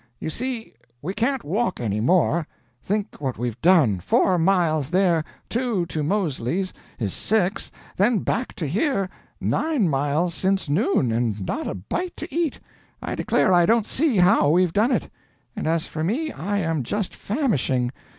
You see, we can't walk any more. Think what we've done: four miles there, two to Moseley's, is six, then back to here nine miles since noon, and not a bite to eat; I declare I don't see how we've done it; and as for me, I am just famishing.